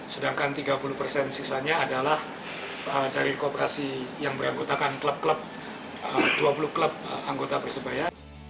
sedangkan tiga puluh persen sisanya adalah dari koperasi yang beranggotakan dua puluh klub anggota persebaya